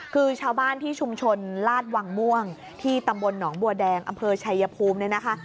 คือชาวบ้านที่ชุมชนลาดวังม่วงที่ตำบลหนองบัวแดงอำเภอชัยภูมิเนี่ยนะคะ